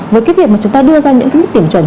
với việc chúng ta đưa ra những điểm chuẩn